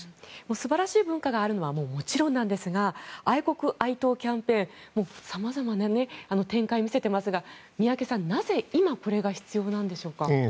素晴らしい文化があるのはもちろんなんですが愛国・愛党キャンペーンはさまざまな展開を見せていますが宮家さん、なぜ今これが必要なのでしょうか。